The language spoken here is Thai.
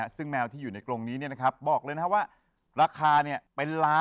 ซึ่งแมวที่อยู่ในกรงนี้บอกเลยนะครับว่าราคาเป็นล้าน